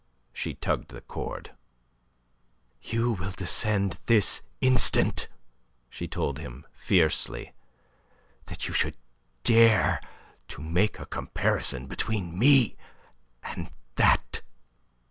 She tugged the cord. "You will descend this instant!" she told him fiercely. "That you should dare to make a comparison between me and that..."